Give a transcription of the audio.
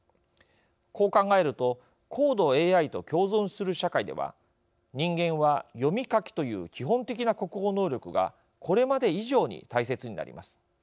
こう考えると高度ＡＩと共存する社会では人間は読み書きという基本的な国語能力がこれまで以上に大切になります。